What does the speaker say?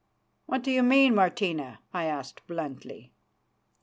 "What do you mean, Martina?" I asked bluntly.